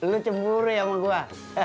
lu cemburu ya sama gua